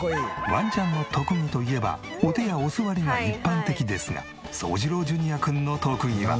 ワンちゃんの特技といえばお手やおすわりが一般的ですが宗次郎Ｊｒくんの特技は。